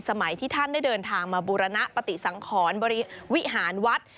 สมัยที่ท่านได้เดินทางมาบูรณปฏิสังขรบวิหารวัด